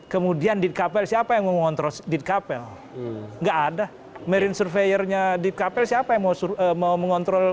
kemudian di kapel siapa yang mau mengontrol di kapel nggak ada marine surveyornya di kapel siapa yang mau mengontrol